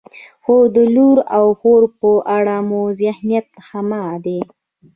خو د لور او خور په اړه مو ذهنیت همغه دی.